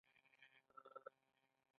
آیا د کاناډا بازو په فضا کې مشهور نه دی؟